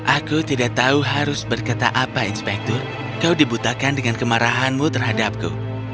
aku tidak tahu harus berkata apa inspektur kau dibutakan dengan kemarahanmu terhadapku